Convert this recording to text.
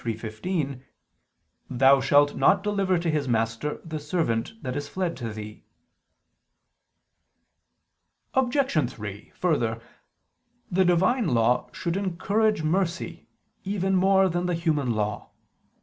23:15): "Thou shalt not deliver to his master the servant that is fled to thee." Obj. 3: Further, the Divine Law should encourage mercy more even than the human law.